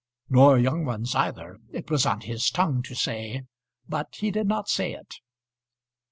"Nor young ones either," it was on his tongue to say, but he did not say it.